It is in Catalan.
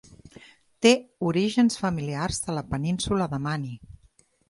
Té orígens familiars de la Península de Mani.